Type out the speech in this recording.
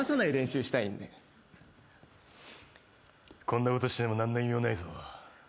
こんなことしてても何の意味もないぞ。